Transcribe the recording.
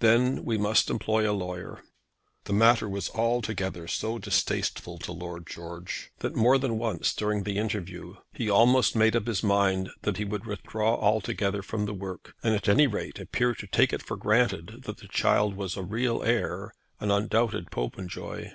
Then we must employ a lawyer." The matter was altogether so distasteful to Lord George, that more than once during the interview he almost made up his mind that he would withdraw altogether from the work, and at any rate appear to take it for granted that the child was a real heir, an undoubted Popenjoy.